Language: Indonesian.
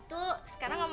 aku bakal pukul lo